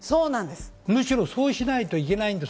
むしろ、そうしないといけないんです。